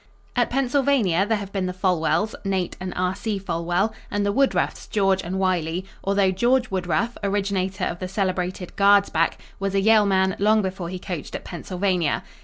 At Pennsylvania, there have been the Folwells, Nate and R. C. Folwell and the Woodruffs, George and Wiley, although George Woodruff, originator of the celebrated "guards back," was a Yale man long before he coached at Pennsylvania.